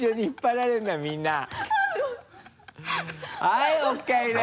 はいＯＫです。